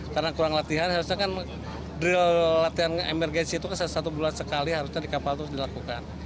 karena kurang latihan harusnya kan drill latihan emergensi itu satu bulan sekali harusnya di kapal itu dilakukan